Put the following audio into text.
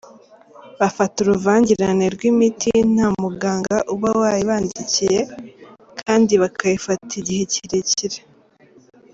“Bafata uruvangitirane rw’imiti…nta muganga uba yayibandikiye kandi bakayifata igihe kirekire”.